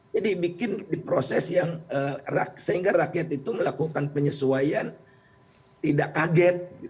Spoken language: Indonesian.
jadi bikin proses yang sehingga rakyat itu melakukan penyesuaian tidak kaget